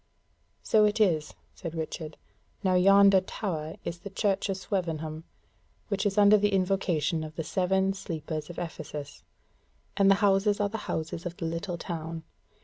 "So it is," said Richard; "now yonder tower is of the Church of Swevenham, which is under the invocation of the Seven Sleepers of Ephesus; and the houses are the houses of the little town.